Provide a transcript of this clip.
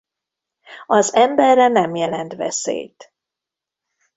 Az emberre nem jelent veszélyt.